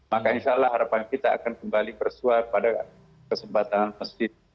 maka insya allah harapan kita akan kembali bersuap pada kesempatan masjid